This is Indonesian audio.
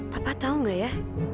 papa tau gak ya